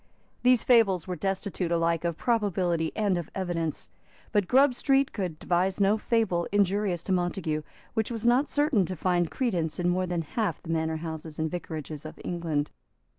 These fables were destitute alike of probability and of evidence. But Grub Street could devise no fable injurious to Montague which was not certain to find credence in more than half the manor houses and vicarages of England.